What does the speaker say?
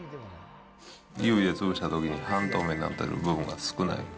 指で潰したときに、半透明になってる部分が少ない。